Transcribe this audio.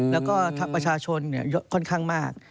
แล้วก็ประชาชนค่อนข้างมาก